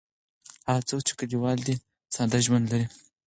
هغه څوک چې کلیوال دی ساده ژوند لري.